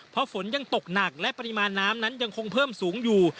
เพราะฝนยังตกหนักและปริมาณน้ำนั้นยังคงเพิ่มสูงอยู่